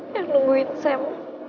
yang nungguin sam